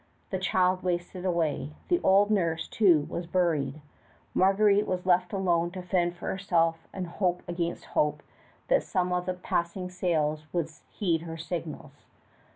The child wasted away. The old nurse, too, was buried. Marguerite was left alone to fend for herself and hope against hope that some of the passing sails would heed her signals.